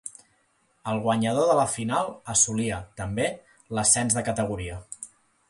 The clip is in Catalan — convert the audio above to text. El guanyador de la final assolia, també, l'ascens de categoria.